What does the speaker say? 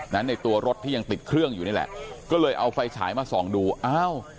ในตัวรถที่ยังติดเครื่องอยู่นี่แหละก็เลยเอาไฟฉายมาส่องดูอ้าว